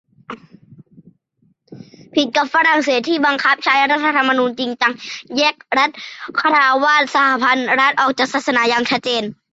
ผิดกับฝรั่งเศส ที่บังคับใช้รัฐธรรมนูญจริงจัง แยกรัฐฆราวาส-สหพันธรัฐออกจากศาสนาอย่างชัดเจน